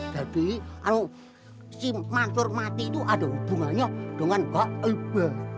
jadi si mansur mati itu ada hubungannya dengan mbak iba